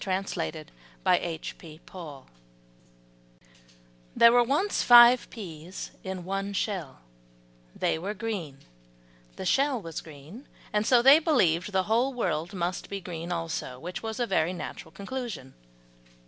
THE PEA BLOSSOM There were once five peas in one shell, they were green, the shell was green, and so they believed that the whole world must be green also, which was a very natural conclusion.